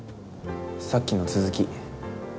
さっきの続き。